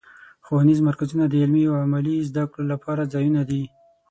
ښوونیز مرکزونه د علمي او عملي زدهکړو لپاره ځایونه دي.